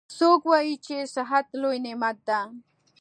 څوک وایي چې صحت لوی نعمت ده